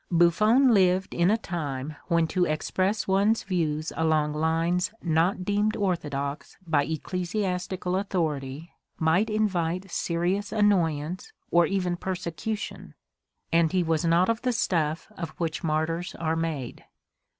Buffon lived in a time when to express one's views along lines not deemed orthodox by ecclesiastical authority might invite serious annoyance or even persecution, and he was not of the stuff of which martyrs are made.